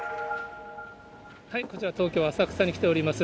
こちら、東京・浅草に来ております。